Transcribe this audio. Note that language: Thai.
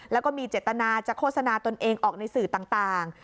แล้วก็มีเจตนาจะโฆษณาตนเองออกในสื่อต่าง